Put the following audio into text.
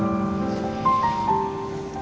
aku bisa mengerti